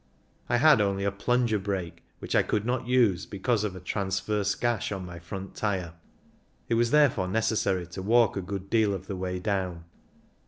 I had only a plunger brake, which I could not use because of a transverse gash on my front tyre ; it was therefore necessary to walk a good deal of the way down.